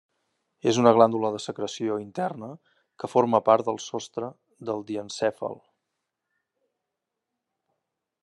És una glàndula de secreció interna que forma part del sostre del diencèfal.